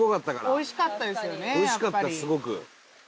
おいしかったすごく。